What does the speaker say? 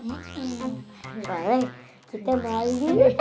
boleh kita bayi